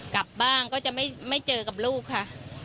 กลับบ้างก็จะไม่เจอกับลูกค่ะ